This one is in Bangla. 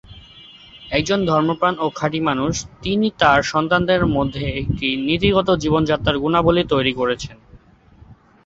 একজন ধর্মপ্রাণ ও খাঁটি মানুষ, তিনি তাঁর সন্তানদের মধ্যে একটি নীতিগত জীবনযাত্রার গুণাবলি তৈরি করেছিলেন।